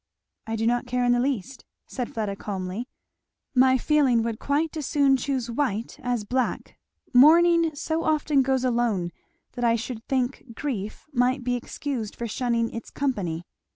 "I do not care in the least," said Fleda calmly; "my feeling would quite as soon choose white as black. Mourning so often goes alone, that I should think grief might be excused for shunning its company."